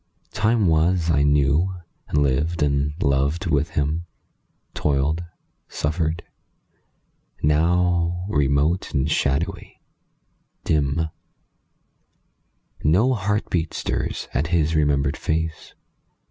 Time was I knew, and lived and loved with him; Toiled, suffered. Now, remote and shadowy, dim, No heartbeat stirs at his remembered face.